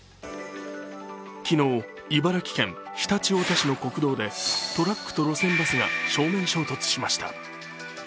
昨日、茨城県常陸太田市の国道でトラックと路線バスが正面衝突しました。